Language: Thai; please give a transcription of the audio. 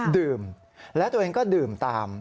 ดื่มแล้วตัวเองก็ดื่มตาม